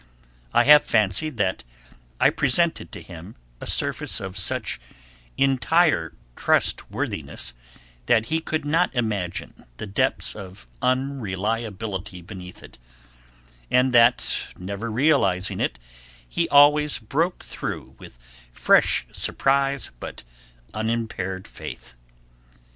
I have fancied that I presented to him a surface of such entire trustworthiness that he could not imagine the depths of unreliability beneath it; and that never realizing it, he always broke through with fresh surprise but unimpaired faith.